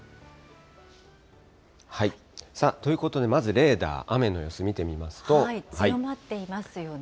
さあ、ということでまずレー強まっていますよね。